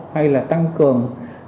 hay là tăng cường